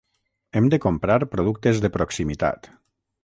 Hem de comprar productes de proximitat